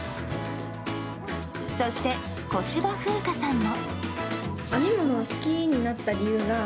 そして小芝風花さんも。